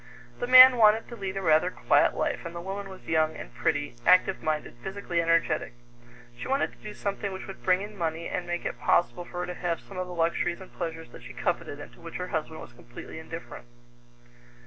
The man wanted to lead a rather quiet life, and the woman was young and pretty, active minded, physically energetic. She wanted to do something which would bring in money and make it possible for her to have some of the luxuries and pleasures that she coveted and to which her husband was completely indifferent.